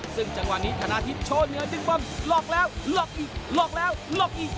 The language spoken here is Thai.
ซึ่งจังหวะนี้ธนาทิศโชว์เหนือดึงปั้มหลอกแล้วหลอกอีกหลอกแล้วหลอกอีก